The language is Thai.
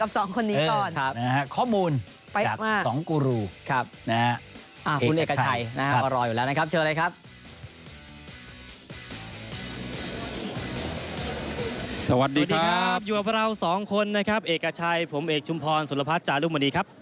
สวัสดีครับยือเพราะเรา๒คนนะครับเอกกัชชัยผมเอกชุมพรนสุนภัศจารุหมอนี่ครับ